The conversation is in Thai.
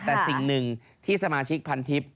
แต่สิ่งหนึ่งที่สมาชิกพันทิพย์